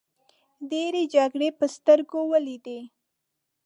ډیرې جګړې په سترګو ولیدې.